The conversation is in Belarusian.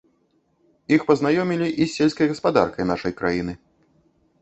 Іх пазнаёмілі і з сельскай гаспадаркай нашай краіны.